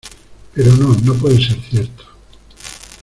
Pero no no puede ser cierto